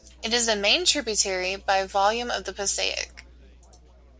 It is the main tributary by volume of the Passaic.